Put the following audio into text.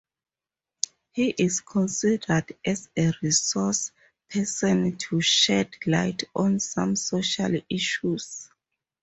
He is considered as a resource person to shed light on some social issues.